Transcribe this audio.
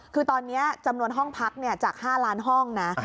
คือตอนนี้จำนวนห้องพักจาก๕ล้านห้องนะ